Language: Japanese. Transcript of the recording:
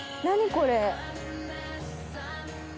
これ。